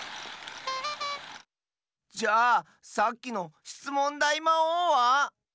じゃさっきのしつもんだいまおうは？